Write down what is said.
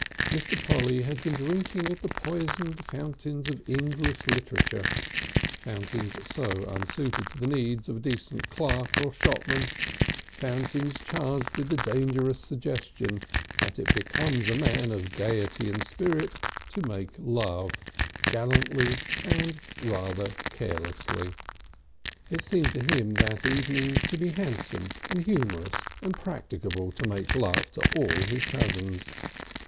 Mr. Polly had been drinking at the poisoned fountains of English literature, fountains so unsuited to the needs of a decent clerk or shopman, fountains charged with the dangerous suggestion that it becomes a man of gaiety and spirit to make love, gallantly and rather carelessly. It seemed to him that evening to be handsome and humorous and practicable to make love to all his cousins.